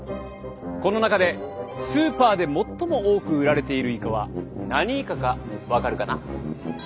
この中でスーパーで最も多く売られているイカは何イカか分かるかな？